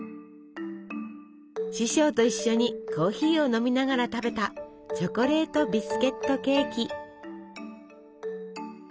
師匠と一緒にコーヒーを飲みながら食べたチョコレートビスケットケーキ。